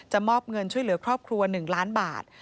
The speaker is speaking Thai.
มอบเงินช่วยเหลือครอบครัว๑ล้านบาท